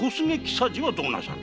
三次はどうなさる？